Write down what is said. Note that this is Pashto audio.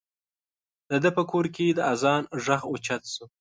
د ده په کور کې د اذان غږ اوچت شو.